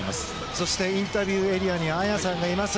そしてインタビューエリアに綾さんがいます。